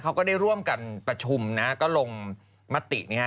เขาก็ได้ร่วมกันประชุมนะฮะก็ลงมติเนี่ยฮะ